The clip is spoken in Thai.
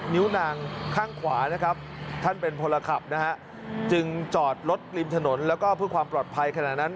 นิ้วนางข้างขวานะครับท่านเป็นพลขับนะฮะจึงจอดรถริมถนนแล้วก็เพื่อความปลอดภัยขณะนั้น